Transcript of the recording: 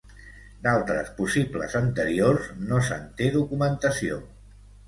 D'altres possibles anteriors no se'n té documentació.